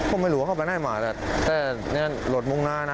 ผมไม่รู้ว่าเข้ากันมาแต่ดังนั้นรถมุ่งหน้าน่ะ